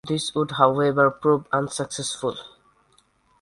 This would however prove unsuccessful.